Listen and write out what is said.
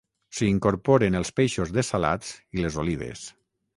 S'hi incorporen els peixos dessalats i les olives